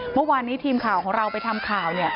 เมื่อวานนี้ทีมข่าวของเราไปทำข่าวเนี่ย